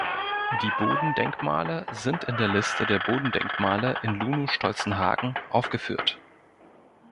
Die Bodendenkmale sind in der Liste der Bodendenkmale in Lunow-Stolzenhagen aufgeführt.